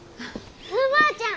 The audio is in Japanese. すーばあちゃん！